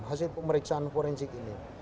hasil pemeriksaan forensik ini